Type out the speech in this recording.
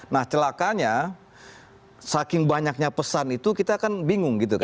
nah celakanya saking banyaknya pesan itu kita kan bingung gitu kan